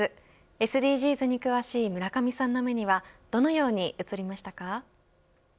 ＳＤＧｓに詳しい村上さんの目にはどのように映りましたか。